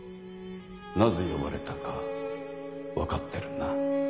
なぜ呼ばれたかわかってるな。